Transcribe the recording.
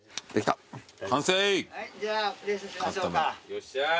よっしゃ。